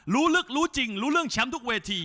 รู้ลึกรู้จริงรู้เรื่องแชมป์ทุกเวที